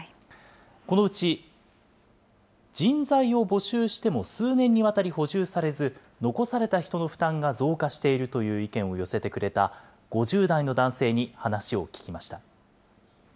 このうち、人材を募集しても数年にわたり補充されず、残された人の負担が増加しているという意見を寄せてくれた、５０代の男性に話を聞きました。